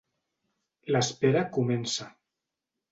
L'espera comença.